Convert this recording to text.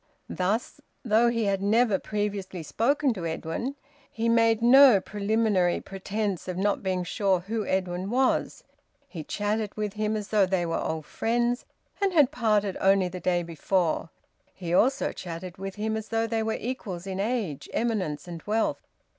Thus, though he had never previously spoken to Edwin, he made no preliminary pretence of not being sure who Edwin was; he chatted with him as though they were old friends and had parted only the day before; he also chatted with him as though they were equals in age, eminence, and wealth.